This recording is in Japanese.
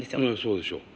そうでしょう。